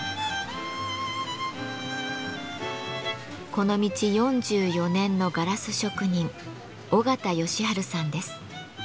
この道４４年のガラス職人緒方義春さんです。